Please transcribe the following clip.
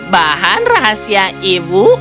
bahan rahasia ibu